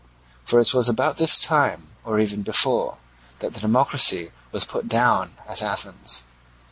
For it was about this time, or even before, that the democracy was put down at Athens.